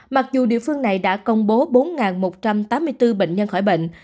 mặc dù địa phương này đã công bố bốn một trăm tám mươi bốn bệnh nhân khỏi bệnh